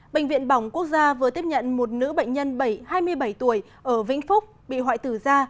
bệnh viện bỏng quốc gia vừa tiếp nhận một nữ bệnh nhân hai mươi bảy tuổi ở vĩnh phúc bị hoại tử ra